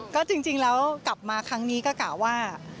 ก็จริงแล้วกลับมาครั้งนี้ก็กะว่า